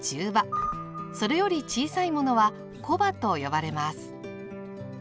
それより小さいものは「小羽」と呼ばれます。